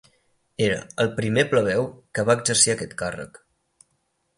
Era el primer plebeu que va exercir aquest càrrec.